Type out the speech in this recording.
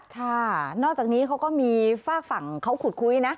ค่ะนอกจากนี้เขาก็มีฝากฝั่งเขาขุดคุยนะ